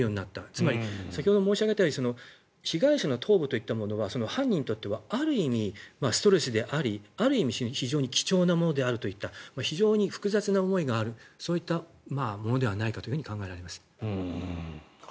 つまり先ほど申し上げたように被害者の頭部といったものは犯人にとってはある意味ストレスでありある意味非常に貴重なものであるといった非常に複雑な思いがあるそういったものではないかと考えられます。